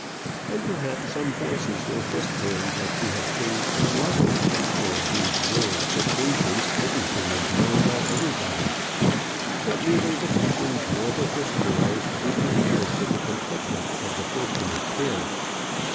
And perhaps some voices were whispering that she had changed her lover; for in these rural seclusions everything is known by everybody. But neither the peepers nor the whisperers interfered with the contentment of the fortunate pair.